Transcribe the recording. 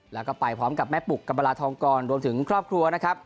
แล้วก็ไปพร้อมกับแม่ปุกกัมพลาทองกรรวมถึงครอบครัวนะครับ